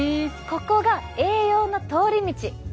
ここが栄養の通り道。